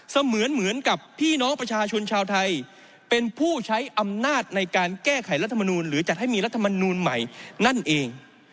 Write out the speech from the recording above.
เหมือนเหมือนกับพี่น้องประชาชนชาวไทยเป็นผู้ใช้อำนาจในการแก้ไขรัฐมนูลหรือจัดให้มีรัฐมนูลใหม่นั่นเอง